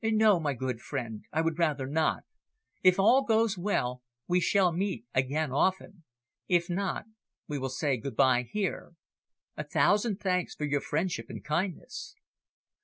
"No, my good friend, I would rather not. If all goes well, we shall meet again often. If not, we will say good bye here. A thousand thanks for your friendship and kindness."